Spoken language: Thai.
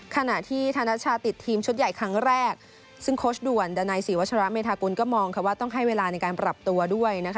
ขณะที่ธนชาติดทีมชุดใหญ่ครั้งแรกซึ่งโค้ชด่วนดานัยศรีวัชราเมธากุลก็มองค่ะว่าต้องให้เวลาในการปรับตัวด้วยนะคะ